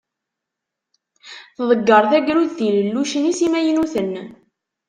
Tḍegger tegrudt ilellucen-is imaynuten.